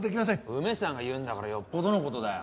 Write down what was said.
梅さんが言うんだからよっぽどの事だよ。